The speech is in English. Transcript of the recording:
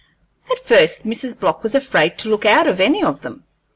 At first Mrs. Block was afraid to look out of any of them.